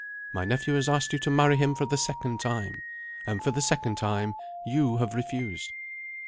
My nephew has asked you to marry him for the second time. And for the second time you have refused."